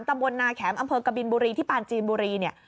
ตำบลนาแขมอำเภอกบิลบุรีที่ป่านจีนบุรี